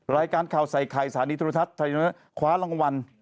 รายการข่าวไซไข่สารีธรรมธัศน์ขวารางวัล